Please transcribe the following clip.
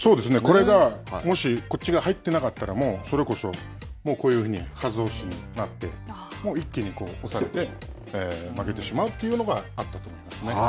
これがもしこっち入ってなかったら、それこそこういうふうにはず押しになって、一気に押されて負けてしまうというのがあったと思いますね。